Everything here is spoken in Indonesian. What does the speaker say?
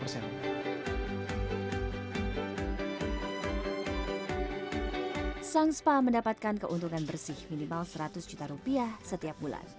sang spa mendapatkan keuntungan bersih minimal seratus juta rupiah setiap bulan